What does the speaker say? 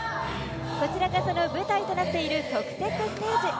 こちらがその舞台となっている特設ステージ。